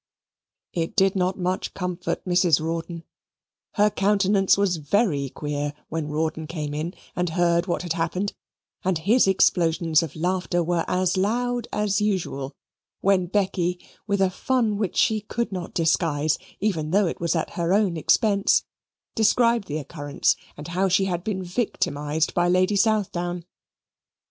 It did not much comfort Mrs. Rawdon; her countenance was very queer when Rawdon came in and heard what had happened; and his explosions of laughter were as loud as usual, when Becky, with a fun which she could not disguise, even though it was at her own expense, described the occurrence and how she had been victimized by Lady Southdown.